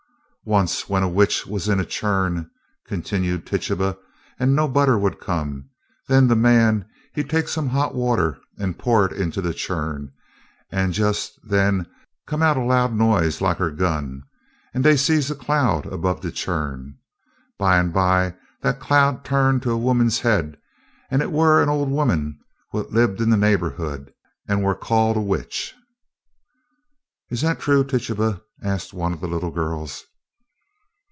"Once, when a witch was in a churn," continued Tituba, "and no butter would come, den de man, he take some hot water an' pour it in de churn, an' jist den dar come a loud noise like er gun, an' dey see er cloud erbove de churn. Bye um bye, dat cloud turned ter er woman's head an' et war an ole woman wat lib in der neighborhood and war called a witch." "Is that true, Tituba?" asked one of the little girls.